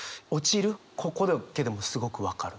ここだけでもうすごく分かる。